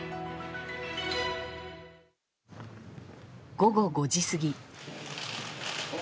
午後５時過ぎ。